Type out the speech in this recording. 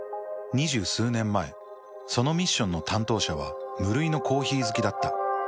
２０数年前そのミッションの担当者は無類のコーヒー好きだった。